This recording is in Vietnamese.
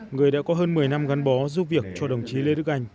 người đã có hơn một mươi năm gắn bó giúp việc cho đồng chí lê đức anh